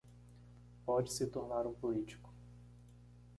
Pode se tornar um político